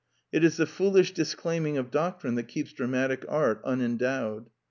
It is the foolish disclaiming of doc trine that keeps dramatic art unendowed.